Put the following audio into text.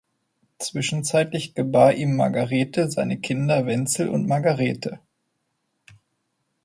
Zwischenzeitlich gebar ihm Margarethe seine Kinder Wenzel und Margarethe.